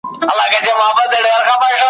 زه په لحد کي او ته به ژاړې ,